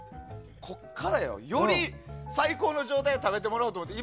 ここからよ、より最高の状態を食べてもらおうと思って。